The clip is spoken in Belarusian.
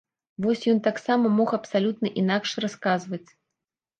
Вось ён таксама мог абсалютна інакш расказваць.